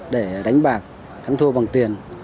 để đánh bạc thắng thua bằng tiền